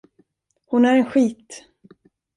Hon är en skit!